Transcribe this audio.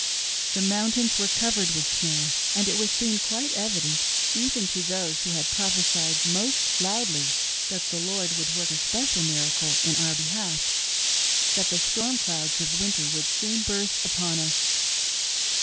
The mountains were covered with snow, and it was soon quite evident, even to those who had prophesied most loudly that the Lord would work a special miracle in our behalf, that the storm clouds of winter would soon burst upon us.